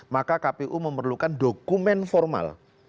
maka kpu memerlukan dokumen formal